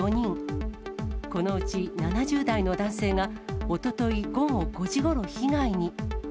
このうち７０代の男性が、おととい午後５時ごろ、被害に。